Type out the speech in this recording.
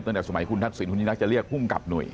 ตั้งแต่สมัยคุณทัศน์คุณยินทร์จะเรียกคุ้มกับหนุ่ย